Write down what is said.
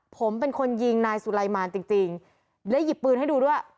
ผมเป็นคนยิงนายสุไลมารจริงและหยิบปืนให้ดูด้วย